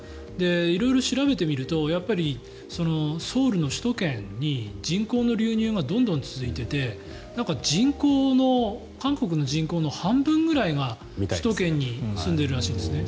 色々調べてみるとソウルの首都圏に人口の流入がどんどん続いていて韓国の人口の半分ぐらいが首都圏に住んでいるらしいんですね。